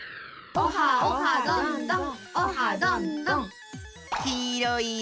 オハオハどんどん！